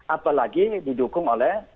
apalagi didukung oleh